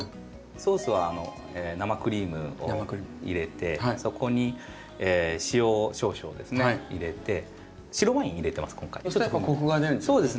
ソースは生クリームを入れてそこに塩を少々ですね入れて白ワイン入れてます